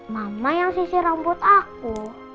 mama yang sisir rambut aku